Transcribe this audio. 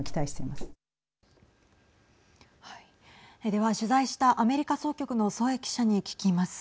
では、取材したアメリカ総局の添記者に聞きます。